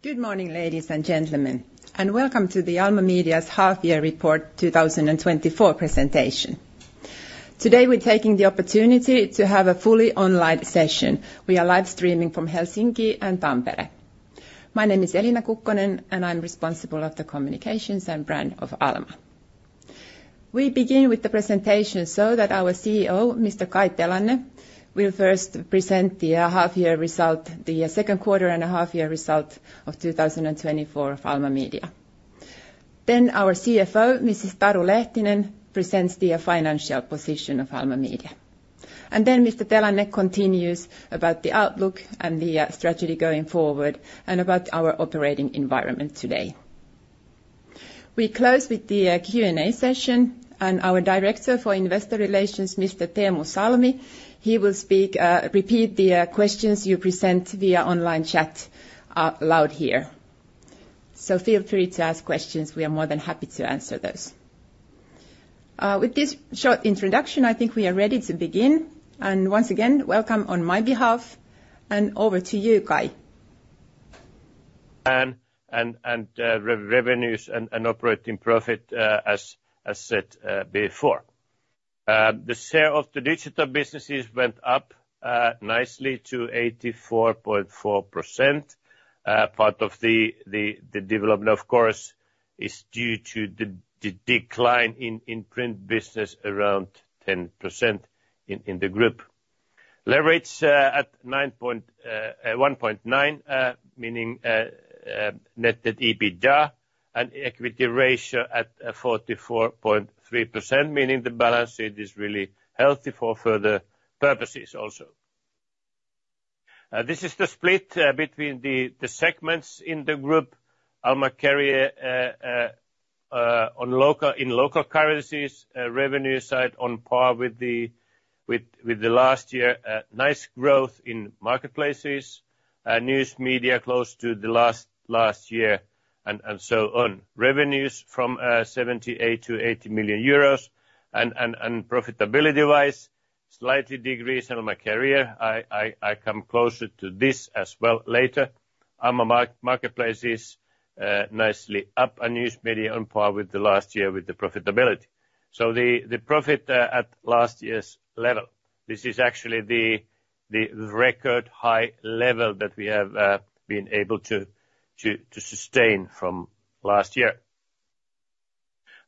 Good morning, ladies and gentlemen, and welcome to the Alma Media's Half Year Report 2024 presentation. Today, we're taking the opportunity to have a fully online session. We are live streaming from Helsinki and Tampere. My name is Elina Kukkonen, and I'm responsible of the communications and brand of Alma. We begin with the presentation so that our CEO, Mr. Kai Telänne, will first present the half-year result, the second quarter and a half-year result of 2024 of Alma Media. Then our CFO, Mrs. Taru Lehtinen, presents the financial position of Alma Media. And then Mr. Telänne continues about the outlook and the strategy going forward and about our operating environment today. We close with the Q&A session, and our director for Investor Relations, Mr. Teemu Salmi, he will speak, repeat the questions you present via online chat, aloud here. So feel free to ask questions, we are more than happy to answer those. With this short introduction, I think we are ready to begin. And once again, welcome on my behalf, and over to you, Kai. Revenues and operating profit, as said before. The share of the digital businesses went up nicely to 84.4%. Part of the development, of course, is due to the decline in print business around 10% in the group. Leverage at 1.9, meaning Net Debt / EBITDA and equity ratio at 44.3%, meaning the balance sheet is really healthy for further purposes also. This is the split between the segments in the group. Alma Career, in local currencies, revenue side on par with the last year. Nice growth in Marketplaces, news media close to the last year, and so on. Revenues from 78 million-80 million euros, and profitability-wise, slightly decrease on Alma Career. I come closer to this as well later. Alma Marketplaces nicely up, and Alma News Media on par with the last year with the profitability. So the profit at last year's level, this is actually the record high level that we have been able to sustain from last year.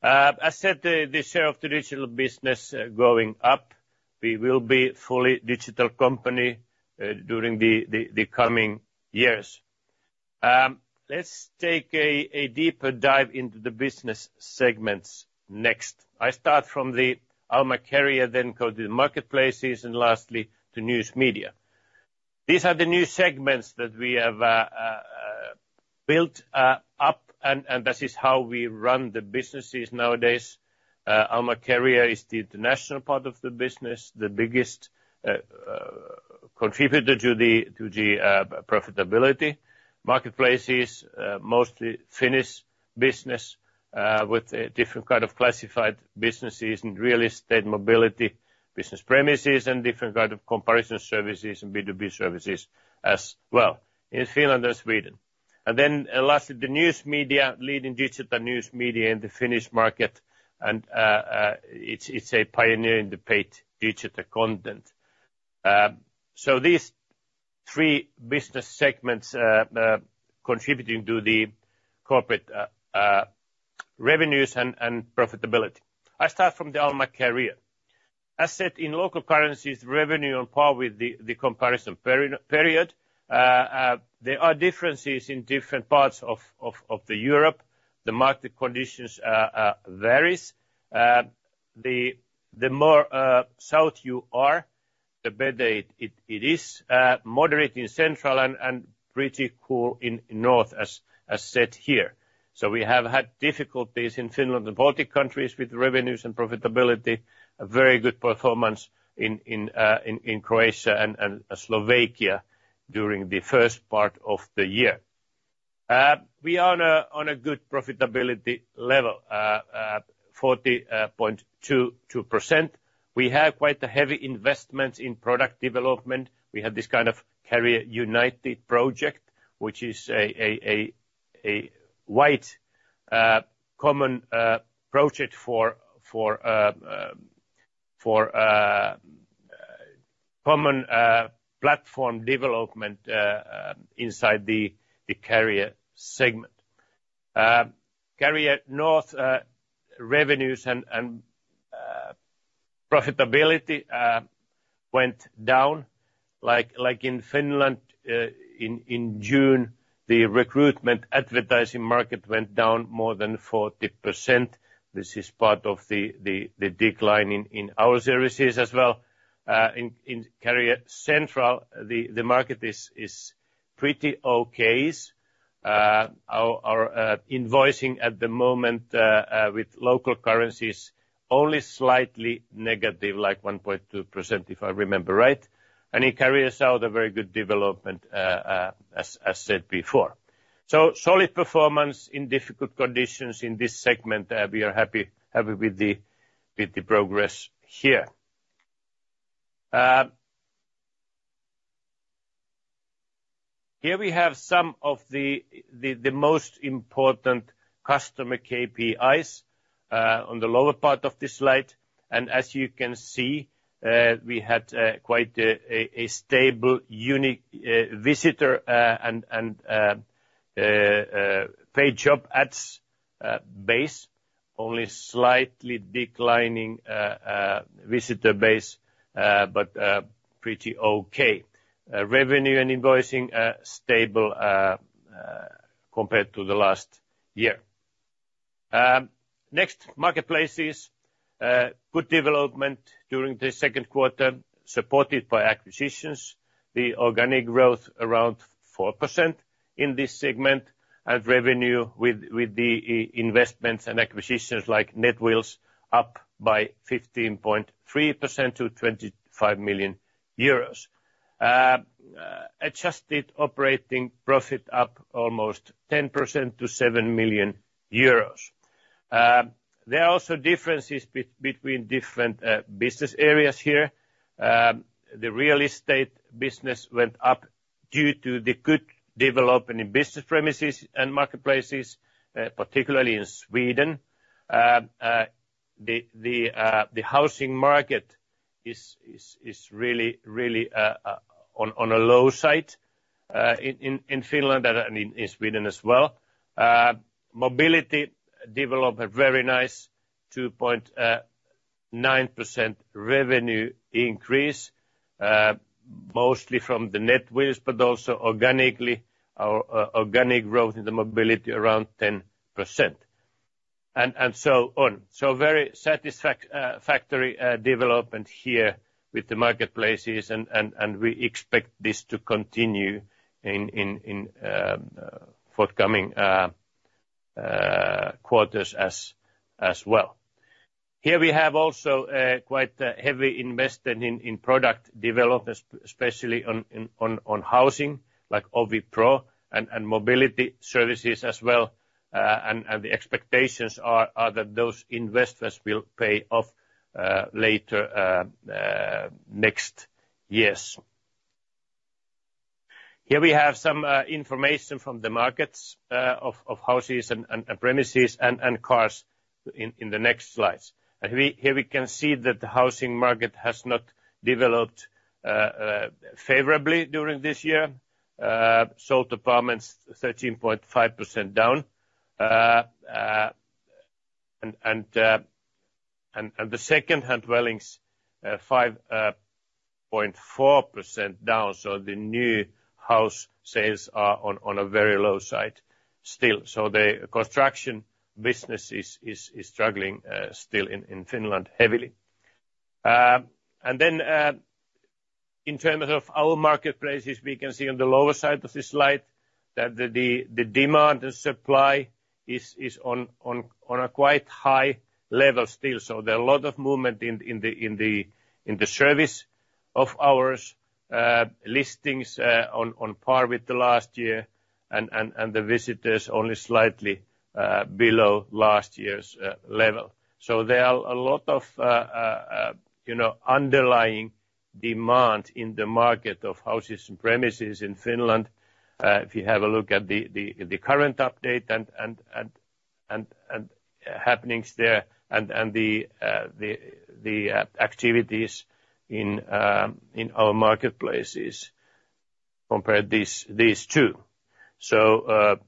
I said the share of the digital business going up, we will be fully digital company during the coming years. Let's take a deeper dive into the business segments next. I start from the Alma Career, then go to the Marketplaces, and lastly, the Alma News Media. These are the new segments that we have built up, and this is how we run the businesses nowadays. Alma Career is the international part of the business, the biggest contributor to the profitability. Marketplaces, mostly Finnish business, with a different kind of classified businesses and real estate mobility, business premises, and different kind of comparison services and B2B services as well in Finland and Sweden. And then lastly, the News Media, leading digital news media in the Finnish market, and it's a pioneer in the paid digital content. So these three business segments contributing to the corporate revenues and profitability. I start from the Alma Career. As said, in local currencies, revenue on par with the comparison period. There are differences in different parts of Europe. The market conditions varies. The more south you are, the better it is, moderate in central and pretty cool in north, as said here. So we have had difficulties in Finland and Baltic countries with revenues and profitability. A very good performance in Croatia and Slovakia during the first part of the year. We are on a good profitability level, 42.2%. We have quite a heavy investment in product development. We have this kind of Career United project, which is a wide common project for common platform development inside the career segment. Career North, revenues and profitability went down, like, like in Finland, in June, the recruitment advertising market went down more than 40%. This is part of the decline in our services as well. In Career Central, the market is pretty okay. Our invoicing at the moment, with local currencies, only slightly negative, like 1.2%, if I remember right. And in Career South, a very good development, as said before. So solid performance in difficult conditions in this segment. We are happy with the progress here. Here we have some of the most important customer KPIs, on the lower part of this slide. As you can see, we had quite a stable unique visitor and paid job ads base, only slightly declining visitor base, but pretty okay. Revenue and invoicing are stable compared to the last year. Next, Marketplaces, good development during the second quarter, supported by acquisitions. The organic growth around 4% in this segment, and revenue with the investments and acquisitions like Netwheels, up by 15.3% to 25 million euros. Adjusted operating profit up almost 10% to 7 million euros. There are also differences between different business areas here. The real estate business went up due to the good development in business premises and Marketplaces, particularly in Sweden. The housing market is really on a low side in Finland and in Sweden as well. Mobility developed a very nice 2.9% revenue increase, mostly from the Netwheels, but also organically. Our organic growth in the mobility around 10%. And so on. So very satisfactory development here with the Marketplaces, and we expect this to continue in forthcoming quarters as well. Here we have also quite a heavy investment in product development, especially on housing, like OviPro and mobility services as well. And the expectations are that those investments will pay off later next years. Here we have some information from the markets of houses and premises and cars in the next slides. Here we can see that the housing market has not developed favorably during this year. Sold apartments 13.5% down, and the second-hand dwellings 5.4% down, so the new house sales are on a very low side still. So the construction business is struggling still in Finland heavily. And then, in terms of our Marketplaces, we can see on the lower side of this slide that the demand and supply is on a quite high level still. So there are a lot of movement in the service of ours, listings, on par with the last year, and the visitors only slightly below last year's level. So there are a lot of, you know, underlying demand in the market of houses and premises in Finland. If you have a look at the current update and happenings there, and the activities in our Marketplaces, compare these two. So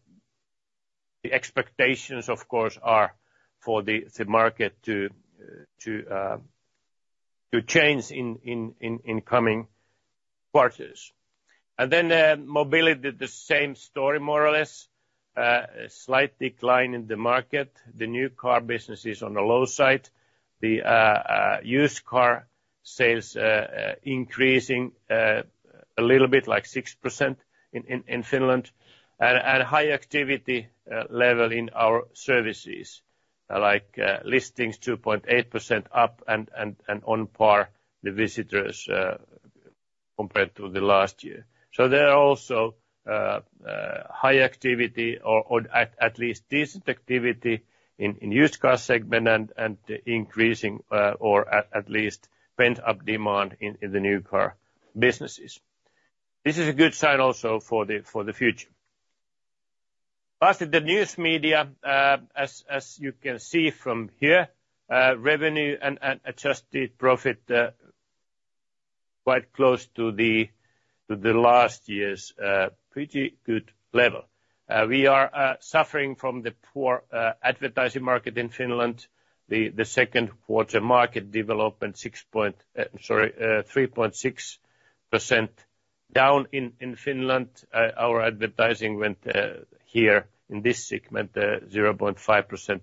the expectations, of course, are for the market to change in coming quarters. And then mobility, the same story more or less. A slight decline in the market. The new car business is on the low side. The used car sales increasing a little bit, like 6% in Finland. And high activity level in our services, like, listings 2.8% up and on par the visitors compared to the last year. So there are also high activity or at least decent activity in used car segment and increasing or at least pent-up demand in the new car businesses. This is a good sign also for the future. As to the news media, as you can see from here, revenue and adjusted profit quite close to the last year's pretty good level. We are suffering from the poor advertising market in Finland. The second quarter market development, sorry, 3.6% down in Finland. Our advertising went here in this segment 0.5%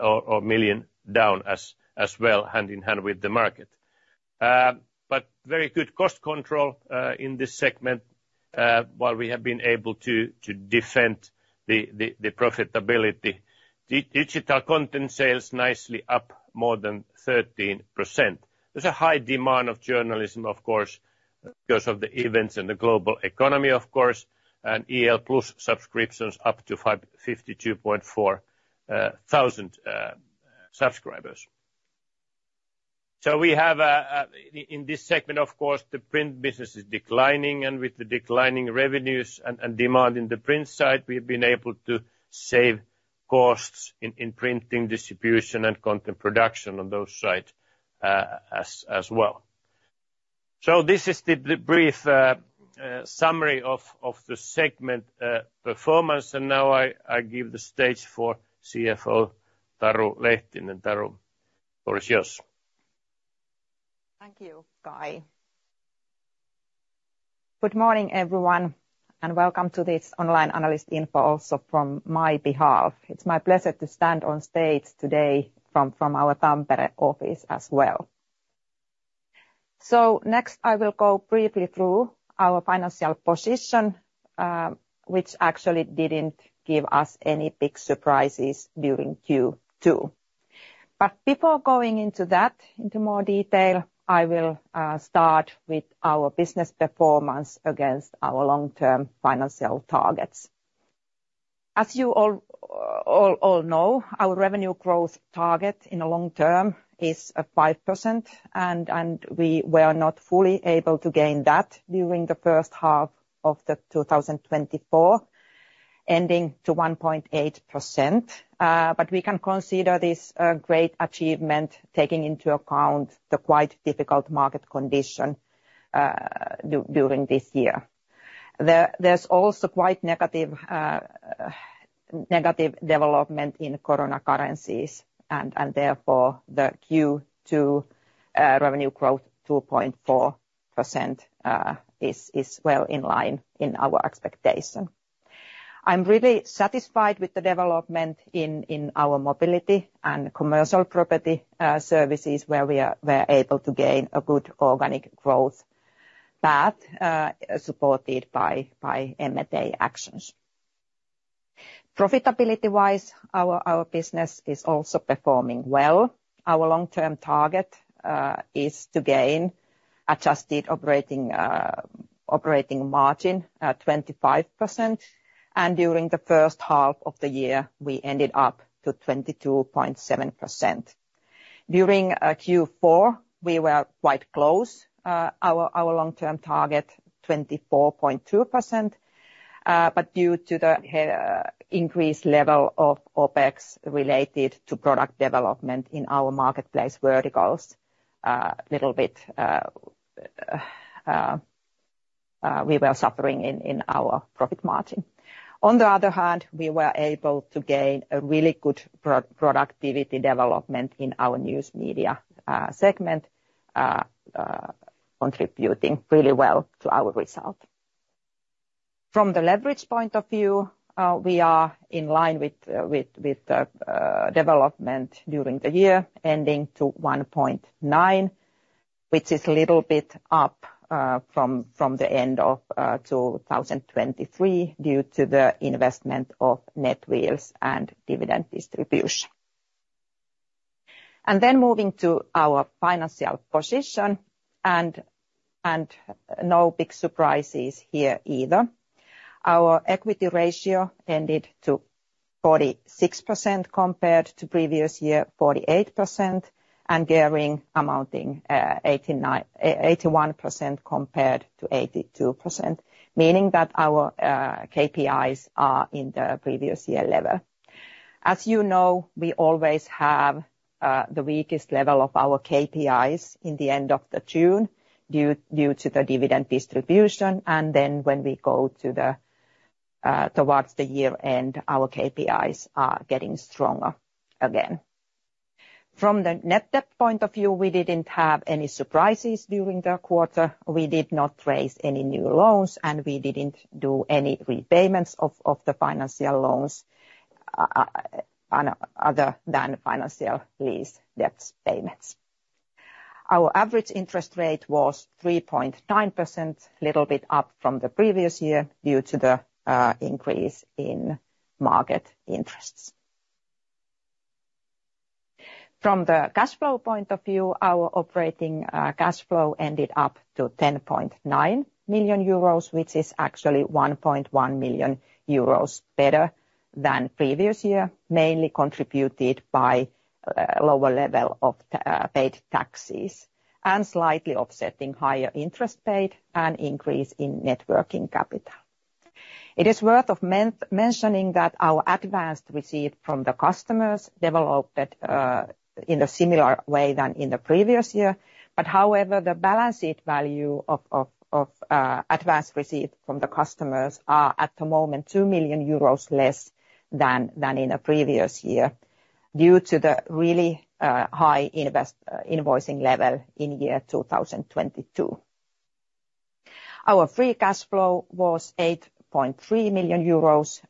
or 1 million down as well, hand in hand with the market. But very good cost control in this segment while we have been able to defend the profitability. Digital content sales nicely up more than 13%. There's a high demand of journalism, of course, because of the events in the global economy, of course, and IL Plus subscriptions up to 552.4 thousand subscribers. So we have in this segment, of course, the print business is declining, and with the declining revenues and demand in the print side, we've been able to save costs in printing, distribution, and content production on that side, as well. So this is the brief summary of the segment performance, and now I give the stage for CFO Taru Lehtinen. Taru, the floor is yours. Thank you, Kai. Good morning, everyone, and welcome to this online analyst info also from my behalf. It's my pleasure to stand on stage today from our Tampere office as well. So next, I will go briefly through our financial position, which actually didn't give us any big surprises during Q2. But before going into that into more detail, I will start with our business performance against our long-term financial targets. As you all know, our revenue growth target in the long term is 5%, and we were not fully able to gain that during the first half of 2024, ending to 1.8%. But we can consider this a great achievement, taking into account the quite difficult market condition during this year. There's also quite negative development in foreign currencies, and therefore, the Q2 revenue growth 2.4% is well in line in our expectation. I'm really satisfied with the development in our mobility and commercial property services, where we're able to gain a good organic growth path, supported by M&A actions. Profitability-wise, our business is also performing well. Our long-term target is to gain adjusted operating margin at 25%, and during the first half of the year, we ended up to 22.7%. During Q4, we were quite close our long-term target, 24.2%. But due to the increased level of OpEx related to product development in our marketplace verticals, little bit, we were suffering in our profit margin. On the other hand, we were able to gain a really good pro-productivity development in our news media segment, contributing really well to our result. From the leverage point of view, we are in line with, with the development during the year, ending to 1.9, which is a little bit up, from the end of 2023, due to the investment of Netwheels and dividend distribution. And then moving to our financial position, and no big surprises here either. Our equity ratio ended to 46% compared to previous year, 48%, and gearing amounting, eighty-nine... eighty-one percent compared to 82%, meaning that our KPIs are in the previous year level. As you know, we always have the weakest level of our KPIs in the end of June, due to the dividend distribution, and then when we go towards the year end, our KPIs are getting stronger again. From the net debt point of view, we didn't have any surprises during the quarter. We did not raise any new loans, and we didn't do any repayments of the financial loans on other than financial lease debts payments. Our average interest rate was 3.9%, little bit up from the previous year, due to the increase in market interests. From the cash flow point of view, our operating cash flow ended up to 10.9 million euros, which is actually 1.1 million euros better than previous year, mainly contributed by lower level of paid taxes, and slightly offsetting higher interest paid and increase in net working capital. It is worth mentioning that our advance receipts from the customers developed in a similar way than in the previous year. But however, the balance sheet value of advance receipts from the customers are at the moment 2 million euros less than in the previous year, due to the really high invoicing level in 2022. Our free cash flow was 8.3 million euros,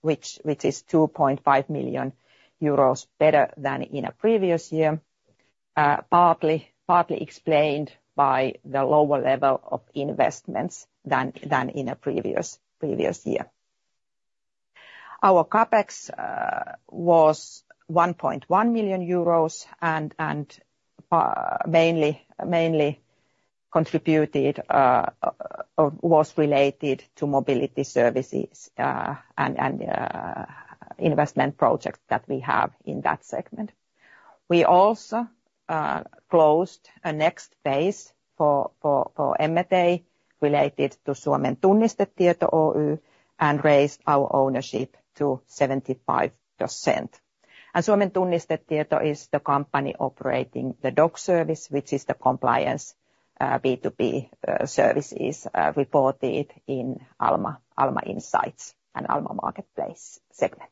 which is 2.5 million euros better than in the previous year, partly explained by the lower level of investments than in the previous year. Our CapEx was 1.1 million euros, and mainly related to mobility services, and investment projects that we have in that segment. We also closed a next phase for M&A related to Suomen Tunnistetieto Oy, and raised our ownership to 75%. Suomen Tunnistetieto is the company operating the DOKS service, which is the compliance B2B services, reported in Alma Insights and Alma Marketplaces segment.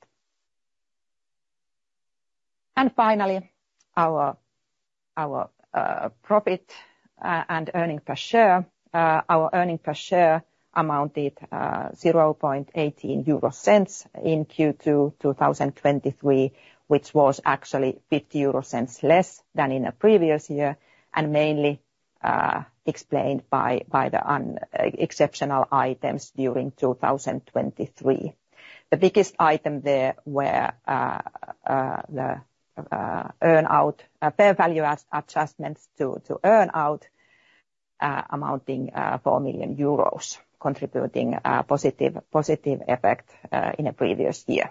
And finally, our profit and earnings per share, our earnings per share amounted 0.18 EUR in Q2 2023, which was actually 0.50 EUR less than in the previous year, and mainly explained by the non-exceptional items during 2023. The biggest item there were the earn-out fair value adjustments to earn-out amounting EUR 4 million, contributing a positive effect in the previous year.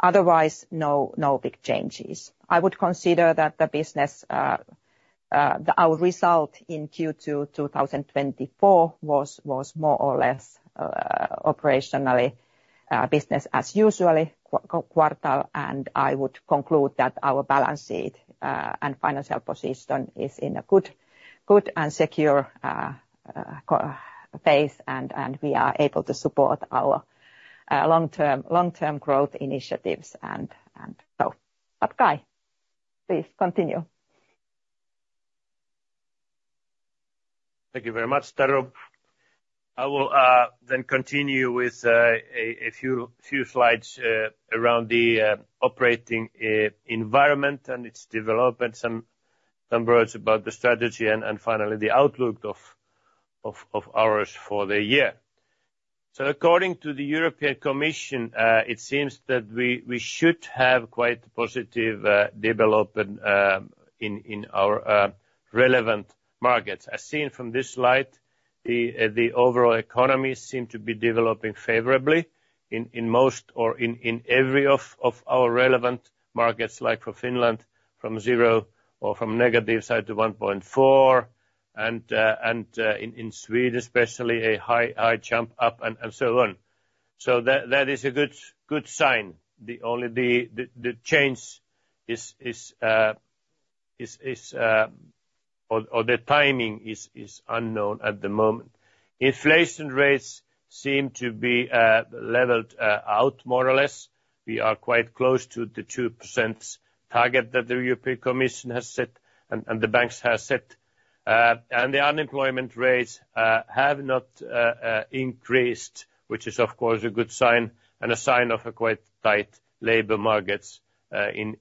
Otherwise, no big changes. I would consider that the business, our result in Q2 2024 was, was more or less, operationally, business as usual quarter, and I would conclude that our balance sheet, and financial position is in a good, good and secure, place, and, and we are able to support our, long-term, long-term growth initiatives and, and so. But Kai, please continue. Thank you very much, Taru. I will then continue with a few slides around the operating environment and its development, some words about the strategy, and finally, the outlook of ours for the year. So according to the European Commission, it seems that we should have quite positive development in our relevant markets. As seen from this slide, the overall economy seem to be developing favorably in most or in every of our relevant markets, like for Finland, from zero or from negative side to 1.4, and in Sweden, especially a high jump up and so on. So that is a good sign. The only change is, or the timing is unknown at the moment. Inflation rates seem to be leveled out more or less. We are quite close to the 2% target that the European Commission has set and the banks have set. And the unemployment rates have not increased, which is of course a good sign and a sign of a quite tight labor markets in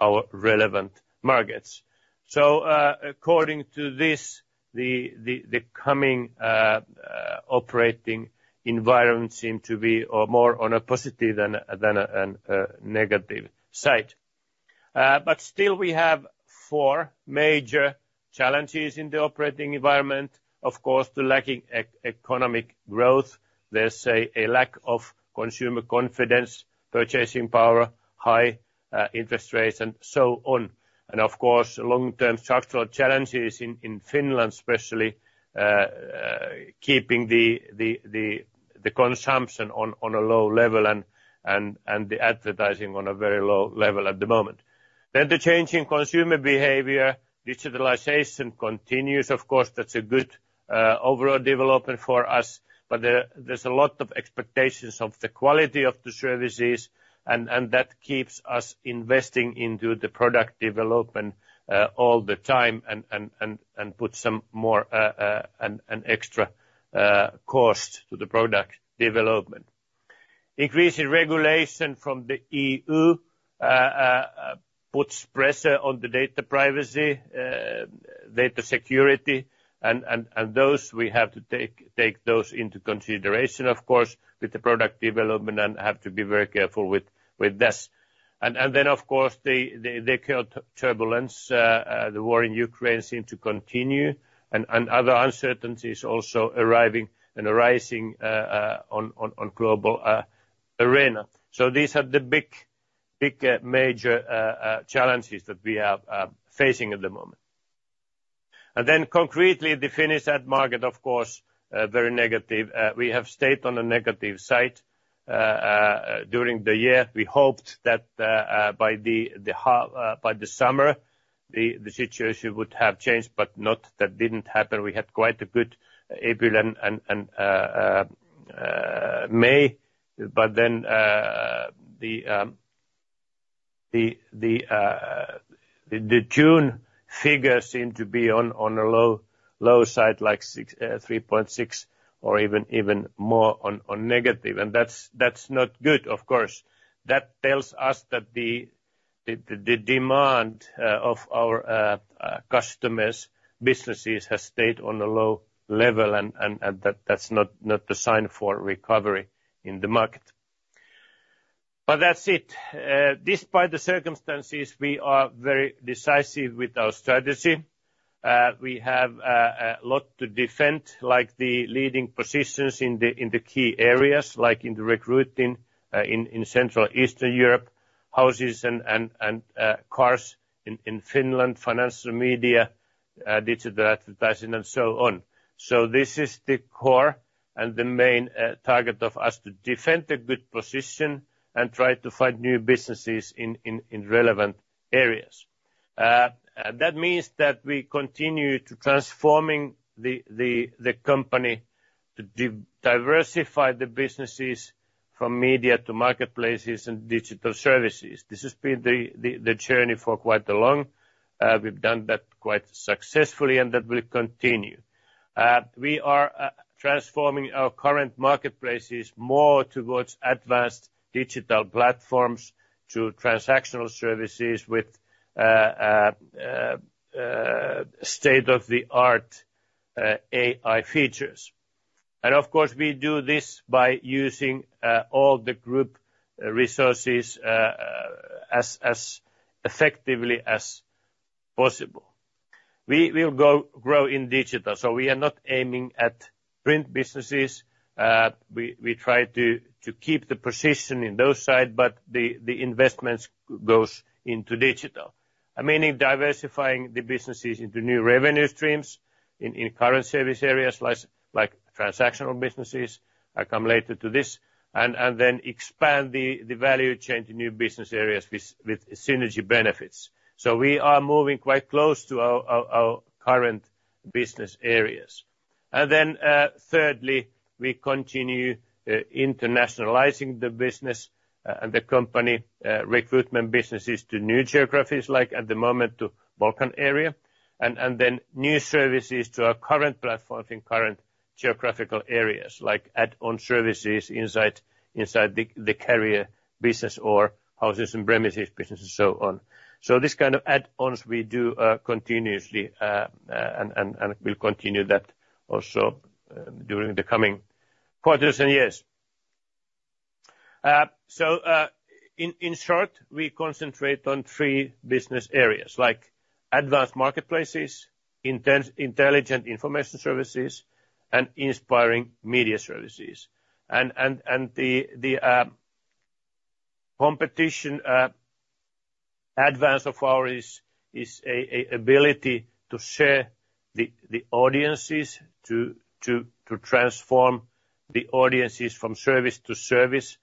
our relevant markets. So, according to this, the coming operating environment seem to be more on a positive than a negative side. But still we have four major challenges in the operating environment. Of course, the lacking economic growth. There's a lack of consumer confidence, purchasing power, high interest rates, and so on. Of course, long-term structural challenges in Finland, especially, keeping the consumption on a low level and the advertising on a very low level at the moment. The change in consumer behavior, digitalization continues. Of course, that's a good overall development for us, but there's a lot of expectations of the quality of the services, and that keeps us investing into the product development all the time, and put some more an extra cost to the product development. Increasing regulation from the EU puts pressure on the data privacy, data security, and those we have to take those into consideration, of course, with the product development and have to be very careful with this. Then, of course, the current turbulence, the war in Ukraine seem to continue and other uncertainties also arriving and arising, on global arena. So these are the big major challenges that we are facing at the moment. Then concretely, the Finnish ad market, of course, very negative. We have stayed on the negative side during the year. We hoped that by the half, by the summer, the situation would have changed, but that didn't happen. We had quite a good April and May, but then the June figures seem to be on a low side, like -3.6 or even more negative, and that's not good of course. That tells us that the demand of our customers, businesses, has stayed on a low level, and that's not the sign for recovery in the market. But that's it. Despite the circumstances, we are very decisive with our strategy. We have a lot to defend, like the leading positions in the key areas, like in the recruiting in Central Eastern Europe, houses and cars in Finland, financial media, digital advertising, and so on. So this is the core and the main target of us to defend a good position and try to find new businesses in relevant areas. That means that we continue to transforming the company, to diversify the businesses from media to Marketplaces and digital services. This has been the journey for quite long. We've done that quite successfully, and that will continue. We are transforming our current Marketplaces more towards advanced digital platforms to transactional services with state-of-the-art AI features. And of course, we do this by using all the group resources as effectively as possible. We'll grow in digital, so we are not aiming at print businesses. We try to keep the position in those side, but the investments goes into digital. I mean, in diversifying the businesses into new revenue streams, in current service areas, like transactional businesses, I come later to this, and then expand the value chain to new business areas with synergy benefits. So we are moving quite close to our current business areas. And then, thirdly, we continue internationalizing the business and the company recruitment businesses to new geographies, like at the moment to Balkan area, and then new services to our current platforms in current geographical areas, like add-on services inside the career business or housing and premises businesses, so on. So this kind of add-ons we do continuously, and we'll continue that also during the coming quarters and years. So, in short, we concentrate on three business areas, like advanced Marketplaces, intelligent information services, and inspiring media services. The competitive advantage of ours is the ability to share the audiences, to transform the audiences from service to service,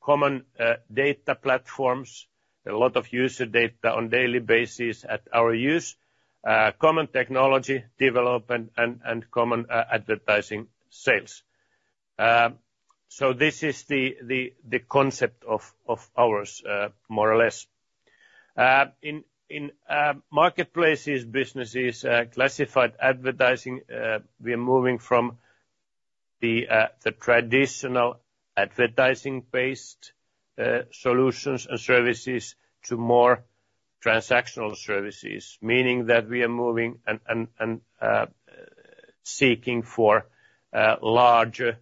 common data platforms, a lot of user data on daily basis at our use, common technology development and common advertising sales. So this is the concept of ours, more or less. In Marketplaces businesses, classified advertising, we are moving from the traditional advertising-based solutions and services to more transactional services, meaning that we are moving and seeking for larger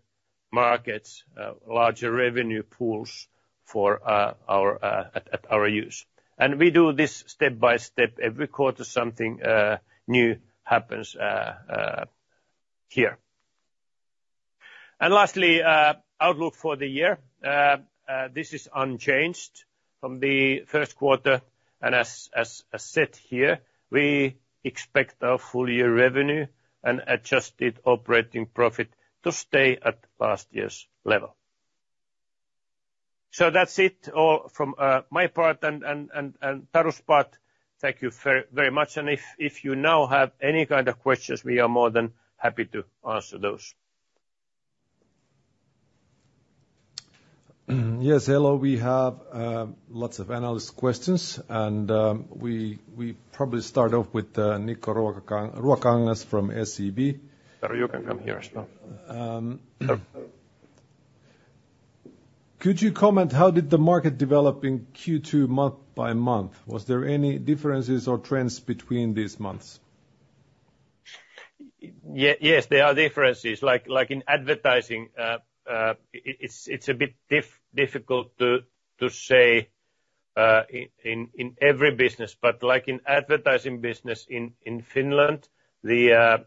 markets, larger revenue pools for our at our use. And we do this step by step. Every quarter, something new happens here. And lastly, outlook for the year. This is unchanged from the first quarter, and as said here, we expect our full year revenue and adjusted operating profit to stay at last year's level. So that's it all from my part and Taru's part. Thank you very much. And if you now have any kind of questions, we are more than happy to answer those. Yes, hello, we have lots of analyst questions, and we probably start off with Niko Ruokangas from SEB. Taru, you can come here as well. Could you comment, how did the market develop in Q2 month by month? Was there any differences or trends between these months? Yes, there are differences, like in advertising, it's a bit difficult to say in every business. But like in advertising business in Finland, I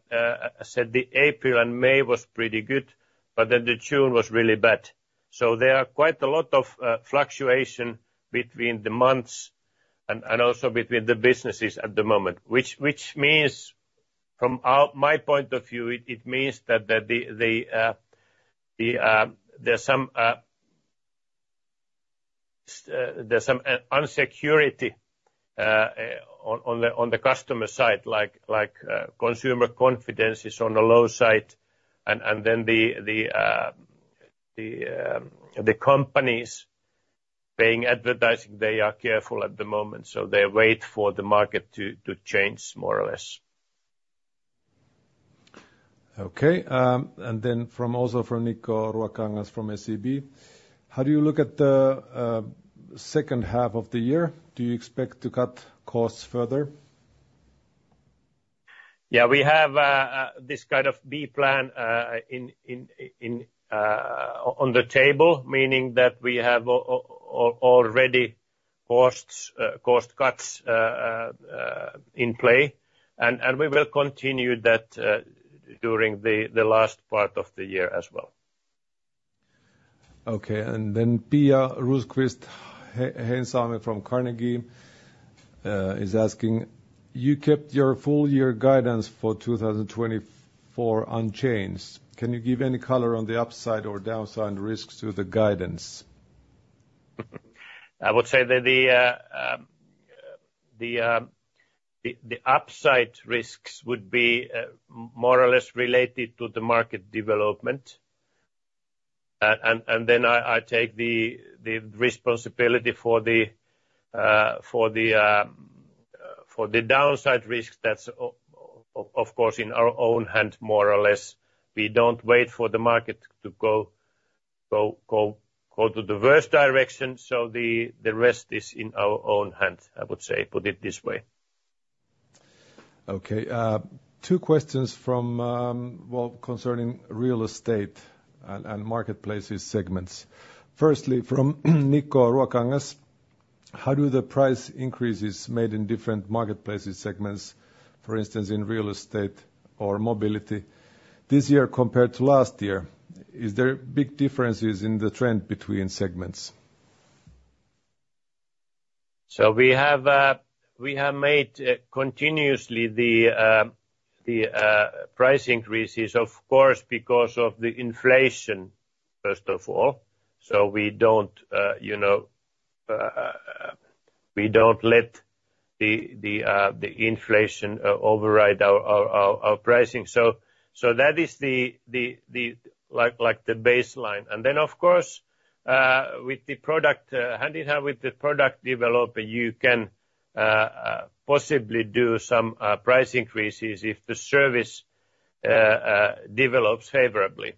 said the April and May was pretty good, but then the June was really bad. So there are quite a lot of fluctuation between the months and also between the businesses at the moment, which means, from my point of view, it means that there's some uncertainty on the customer side, like consumer confidence is on the low side, and then the companies paying advertising, they are careful at the moment, so they wait for the market to change more or less. Okay, and then from, also from Niko Ruokangas from SEB: How do you look at the second half of the year? Do you expect to cut costs further?... Yeah, we have this kind of B plan on the table, meaning that we have already cost cuts in play, and we will continue that during the last part of the year as well. Okay, and then Pia Rosqvist-Heinsalmi from Carnegie is asking: You kept your full year guidance for 2024 unchanged. Can you give any color on the upside or downside risks to the guidance? I would say that the upside risks would be more or less related to the market development. And then I take the responsibility for the downside risks that's of course in our own hands, more or less. We don't wait for the market to go to the worst direction, so the rest is in our own hands, I would say, put it this way. Okay, two questions from, concerning real estate and, and Marketplaces segments. Firstly, from Niko Ruokangas, how do the price increases made in different Marketplaces segments, for instance, in real estate or mobility, this year compared to last year? Is there big differences in the trend between segments? So we have made continuously the price increases, of course, because of the inflation, first of all. So we don't you know we don't let the inflation override our pricing. So that is the like the baseline. And then, of course, with the product hand-in-hand with the product developer, you can possibly do some price increases if the service develops favorably.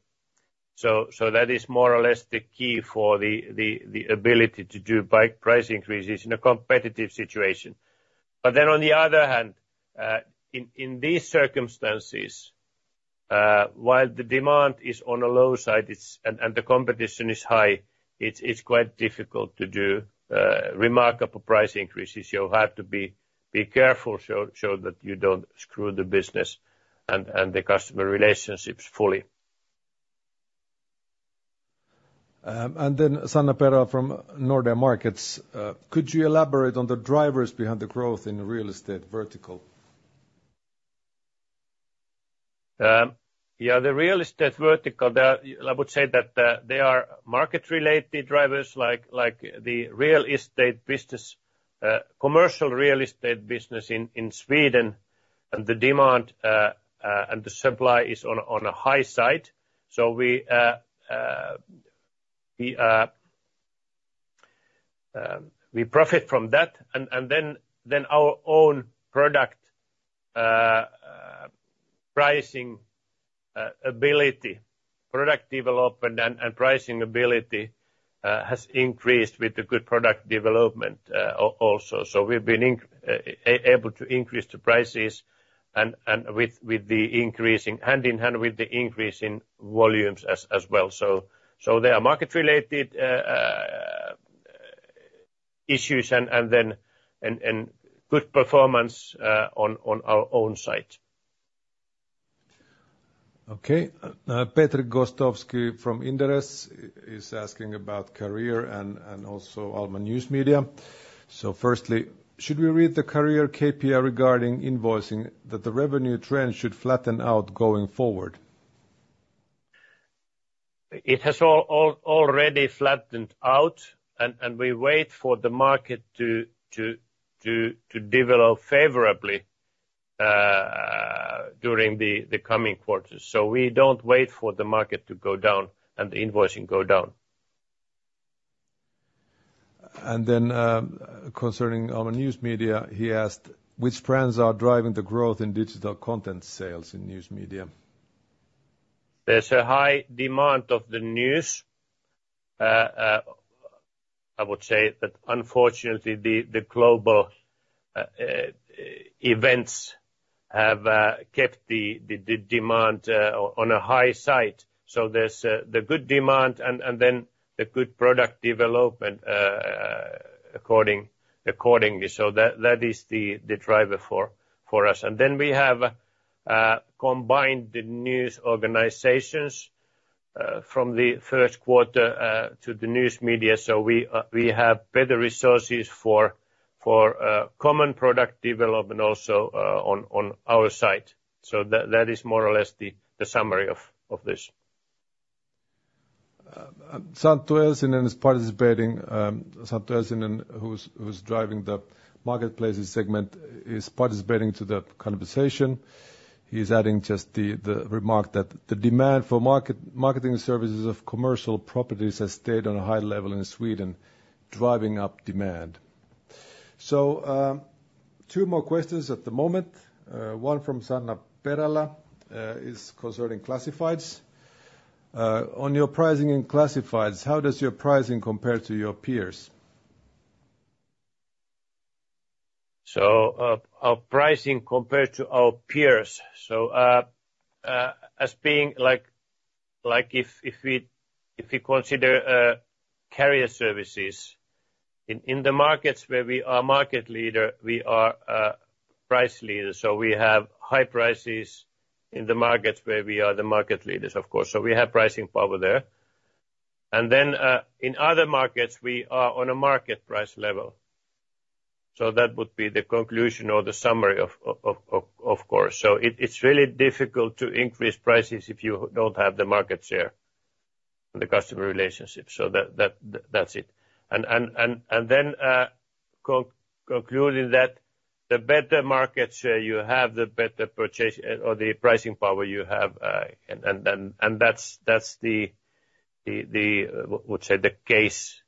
So that is more or less the key for the ability to do price increases in a competitive situation. But then on the other hand, in these circumstances, while the demand is on a low side, it's and the competition is high, it's quite difficult to do remarkable price increases. You have to be careful so that you don't screw the business and the customer relationships fully. And then Sanna Perälä from Nordea: Could you elaborate on the drivers behind the growth in the real estate vertical? Yeah, the real estate vertical, the, I would say that they are market-related drivers, like, like the real estate business, commercial real estate business in, in Sweden, and the demand, and the supply is on a, on a high side. So we profit from that, and, and then our own product, pricing ability, product development and, and pricing ability has increased with the good product development, also. So we've been able to increase the prices and, and with the increase in hand-in-hand with the increase in volumes as well. So there are market-related issues and, and then good performance on our own side. Okay. Petri Gostowski from Inderes is asking about Career and, and also Alma News Media. So firstly, should we read the Career KPI regarding invoicing that the revenue trend should flatten out going forward? It has already flattened out, and we wait for the market to develop favorably during the coming quarters. So we don't wait for the market to go down and the invoicing go down. And then, concerning our News Media, he asked: Which trends are driving the growth in digital content sales in News Media? There's a high demand of the news. I would say that unfortunately, the global events have kept the demand on a high side. So there's the good demand and then the good product development accordingly. So that is the driver for us. And then we have combined the news organizations from the first quarter to the news media, so we have better resources for common product development also on our side. So that is more or less the summary of this. Santtu Elsinen is participating, Santtu Elsinen, who's driving the Marketplaces segment, is participating to the conversation. He's adding just the remark that the demand for marketing services of commercial properties has stayed on a high level in Sweden, driving up demand. So, two more questions at the moment. One from Sanna Perälä is concerning classifieds. On your pricing in classifieds, how does your pricing compare to your peers?... So, our pricing compared to our peers. So, like, if we consider career services, in the markets where we are market leader, we are price leader. So we have high prices in the markets where we are the market leaders, of course, so we have pricing power there. And then, in other markets, we are on a market price level. So that would be the conclusion or the summary, of course. So it's really difficult to increase prices if you don't have the market share and the customer relationship. So that's it. Then, concluding that the better markets you have, the better purchase or the pricing power you have, and that's, we would say, the case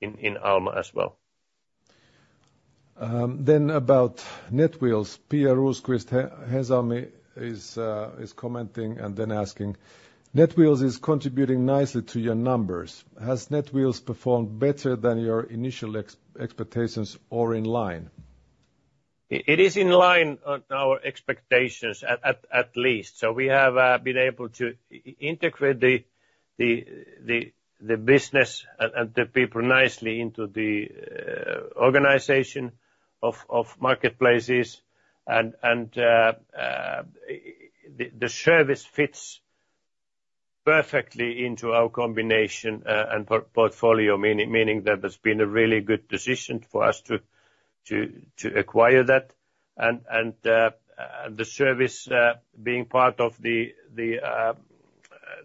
in Alma as well. Then about Netwheels, Pia Rosqvist-Heinsalmi is commenting and then asking: Netwheels is contributing nicely to your numbers. Has Netwheels performed better than your initial expectations or in line? It is in line with our expectations, at least. So we have been able to integrate the business and the people nicely into the organization of Marketplaces, and the service fits perfectly into our combination and portfolio, meaning that it's been a really good decision for us to acquire that. And the service being part of the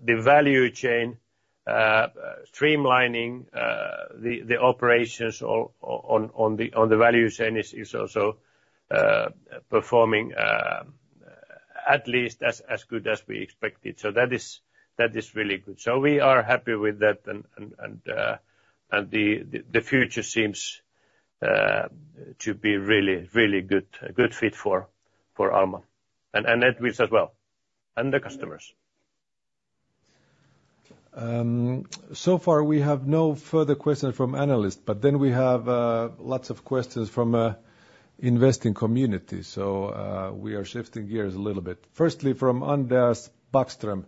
value chain, streamlining the operations on the value chain is also performing at least as good as we expected. So that is really good. So we are happy with that, and the future seems to be really, really good, a good fit for Alma, and Netwheels as well, and the customers. So far we have no further questions from analysts, but then we have lots of questions from investing community. So, we are shifting gears a little bit. Firstly, from Anders Backström: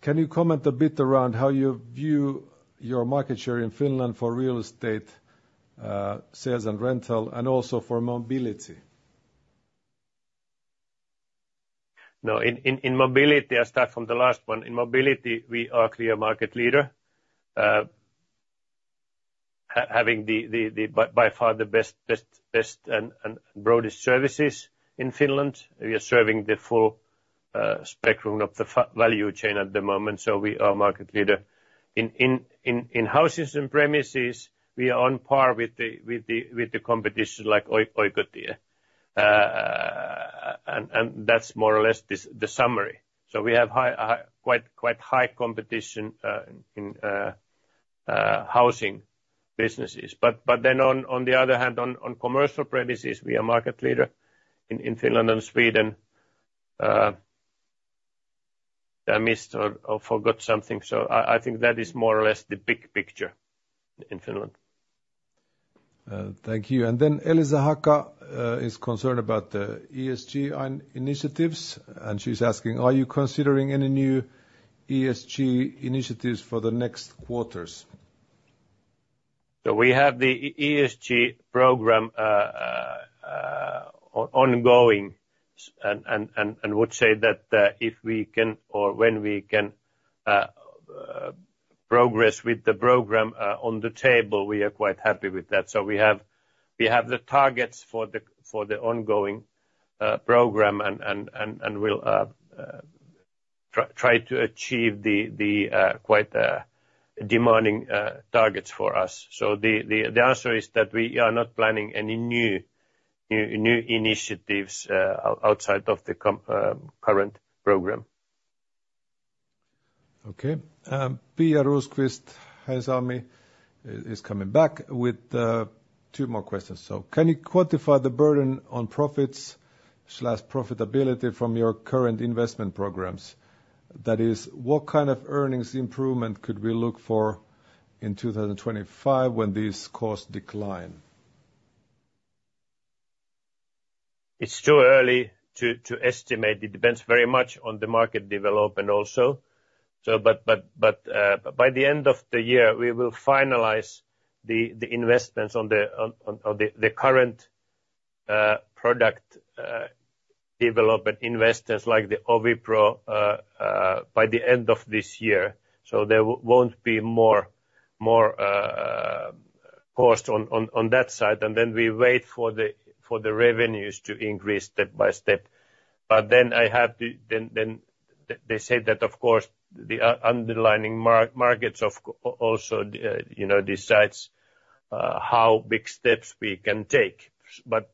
can you comment a bit around how you view your market share in Finland for real estate, sales and rental, and also for mobility? No, in mobility, I'll start from the last one. In mobility, we are clear market leader, having the by far the best and broadest services in Finland. We are serving the full spectrum of the value chain at the moment, so we are market leader. In houses and premises, we are on par with the competition like Oikotie. And that's more or less this the summary. So we have high quite high competition in housing businesses. But then on the other hand, on commercial premises, we are market leader in Finland and Sweden. I missed or forgot something, so I think that is more or less the big picture in Finland. Thank you. And then Elisa Haka is concerned about the ESG initiatives, and she's asking: are you considering any new ESG initiatives for the next quarters? So we have the ESG program ongoing, and would say that if we can or when we can progress with the program on the table, we are quite happy with that. So we have the targets for the ongoing program, and we'll try to achieve the quite demanding targets for us. So the answer is that we are not planning any new initiatives outside of the current program. Okay. Pia Rosqvist-Heinsalmi is coming back with two more questions. So can you quantify the burden on profits slash profitability from your current investment programs? That is, what kind of earnings improvement could we look for in 2025 when these costs decline? It's too early to estimate. It depends very much on the market development also. So but, by the end of the year, we will finalize the investments on the current product development investors like the OviPro by the end of this year. So there won't be more cost on that side, and then we wait for the revenues to increase step by step. But then I have to... Then they say that, of course, the underlying markets also, you know, decides how big steps we can take. But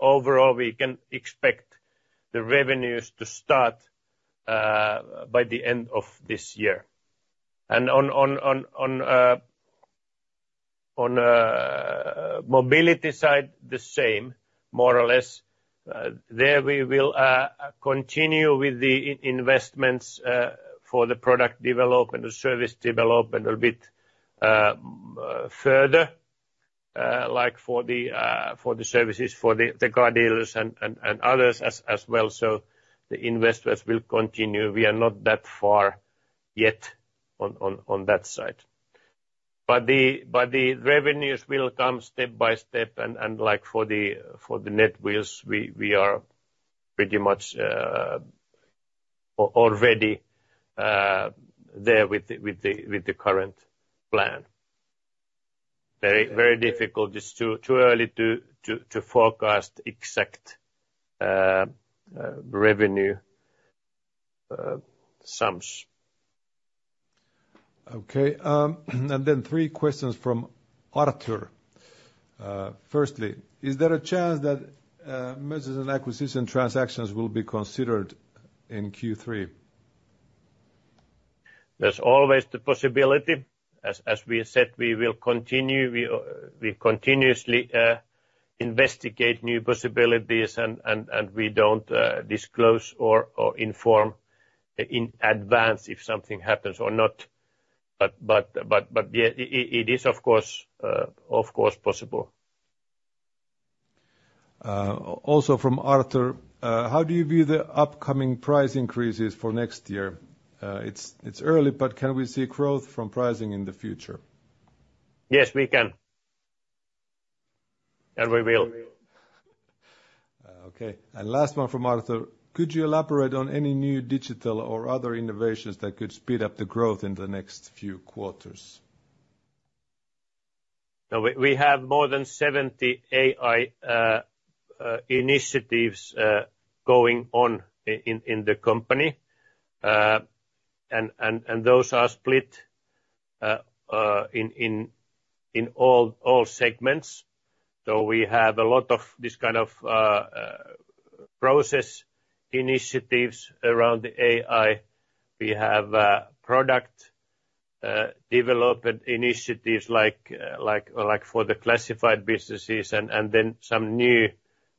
overall, we can expect the revenues to start by the end of this year. And on mobility side, the same, more or less. There we will continue with the investments for the product development, the service development a bit further, like for the services for the car dealers and others as well. So the investments will continue. We are not that far yet on that side. But the revenues will come step by step, and like for the Netwheels, we are pretty much already there with the current plan. Very difficult. It's too early to forecast exact revenue sums. Okay. And then three questions from Arthur. Firstly, is there a chance that mergers and acquisition transactions will be considered in Q3? There's always the possibility. As we have said, we will continue, we continuously investigate new possibilities, and we don't disclose or inform in advance if something happens or not. But yeah, it is, of course, of course possible. Also from Arthur: How do you view the upcoming price increases for next year? It's early, but can we see growth from pricing in the future? Yes, we can. And we will. Okay, and last one from Arthur: Could you elaborate on any new digital or other innovations that could speed up the growth in the next few quarters? So we have more than 70 AI initiatives going on in the company. And those are split in all segments. So we have a lot of this kind of process initiatives around the AI. We have product development initiatives like, like, for the classified businesses and then some new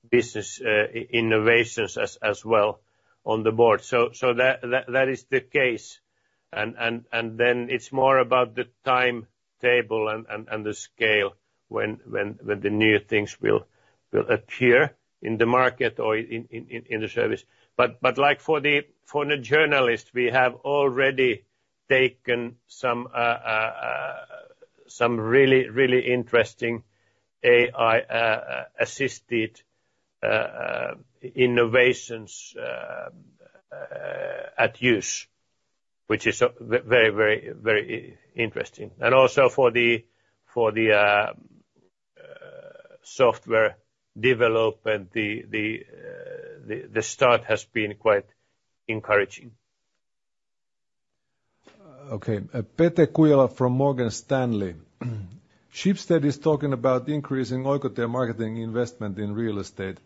business innovations as well on board. So that is the case. And then it's more about the timetable and the scale when the new things will appear in the market or in the service. But like for the journalists, we have already taken some really, really interesting AI assisted innovations in use, which is very, very, very interesting. Also for the software development, the start has been quite encouraging. Okay, Pete-Ola from Morgan Stanley. Schibsted is talking about increasing Oikotie marketing investment in real estate.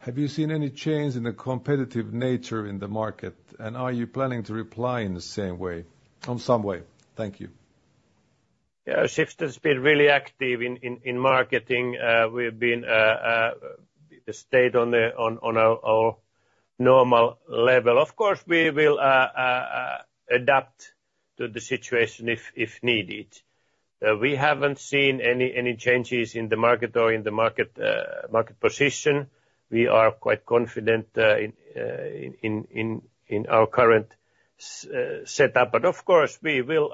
Have you seen any change in the competitive nature in the market, and are you planning to reply in the same way, on some way? Thank you. Yeah, Schibsted's been really active in marketing. We've stayed on our normal level. Of course, we will adapt to the situation if needed. We haven't seen any changes in the market or in the market position. We are quite confident in our current setup. But of course, we will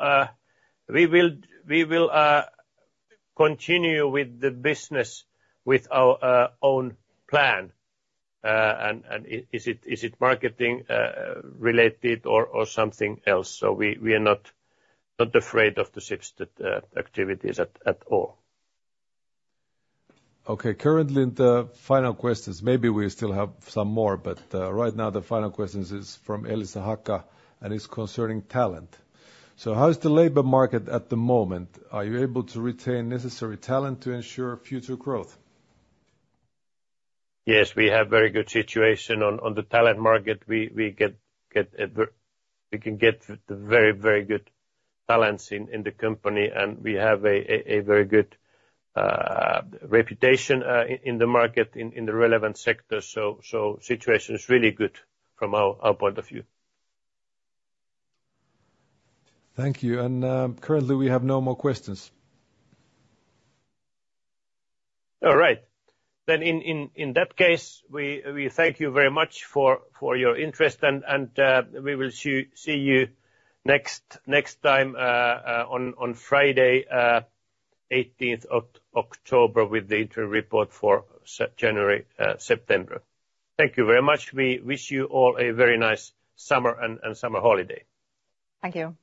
continue with the business with our own plan. And is it marketing related or something else? So we are not afraid of the Schibsted activities at all. Okay, currently in the final questions, maybe we still have some more, but right now, the final questions is from Elisa Haka, and it's concerning talent. So how is the labor market at the moment? Are you able to retain necessary talent to ensure future growth? Yes, we have very good situation on the talent market. We can get the very, very good talents in the company, and we have a very good reputation in the market, in the relevant sector. So situation is really good from our point of view. Thank you. Currently, we have no more questions. All right. Then, in that case, we thank you very much for your interest, and we will see you next time on Friday, eighteenth of October with the interim report for January-September. Thank you very much. We wish you all a very nice summer and summer holiday. Thank you.